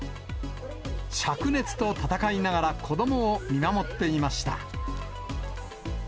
しゃく熱と闘いながら子どもを見守っていました。